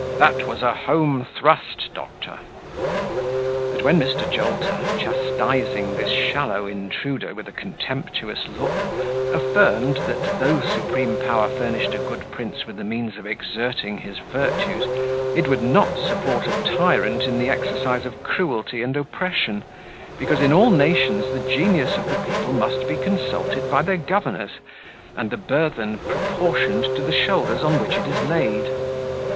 that was a home thrust, doctor." When Mr. Jolter, chastising this shallow intruder with a contemptuous look, affirmed that, though supreme power furnished a good prince with the means of exerting his virtues, it would not support a tyrant in the exercise of cruelty and oppression; because in all nations the genius of the people must be consulted by their governors, and the burthen proportioned to the shoulders on which it is laid.